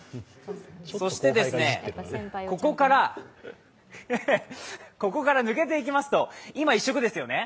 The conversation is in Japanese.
そして、ここから抜けていきますと、今、１色ですよね。